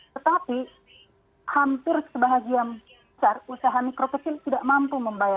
tetapi hampir sebahagia besar usaha mikro kecil tidak mampu membayar